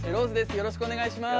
よろしくお願いします。